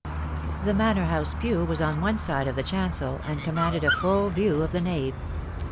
The Manor House pew was on one side of the chancel, and ;;ded a full view of the nave.